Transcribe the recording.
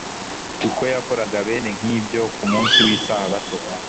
kuko yakoraga bene nk’ibyo ku munsi w’Isabato.”